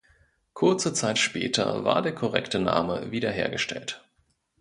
Kurze Zeit später war der korrekte Name wiederhergestellt.